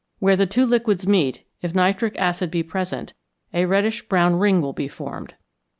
Where the two liquids meet, if nitric acid be present, a reddish brown ring will be formed.